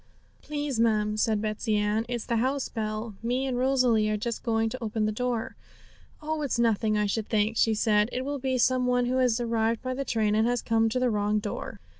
'Please, ma'am,' said Betsey Ann, 'it's the house bell; me and Rosalie are just going to open the door.' 'Oh, it's nothing, I should think,' said she; 'it will be some one who has arrived by the train, and has come to the wrong door.'